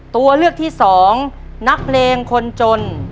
ตัวเลือกที่สองนักเพลงคนจน